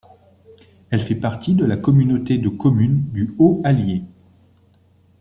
Elle fait partie de la communauté de communes du Haut Allier.